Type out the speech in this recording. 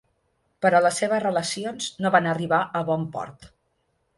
Però les seves relacions no van arribar a bon port.